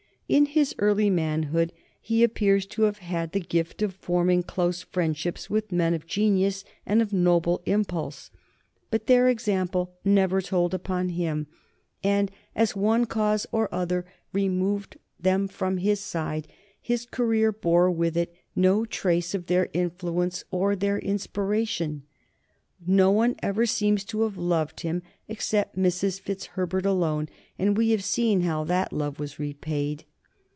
In his early manhood he appears to have had the gift of forming close friendships with men of genius and of noble impulse, but their example never told upon him, and as one cause or other removed them from his side his career bore with it no trace of their influence or their inspiration. No one ever seems to have loved him except Mrs. Fitzherbert alone, and we have seen how that love was repaid.